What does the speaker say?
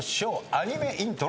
アニメイントロ。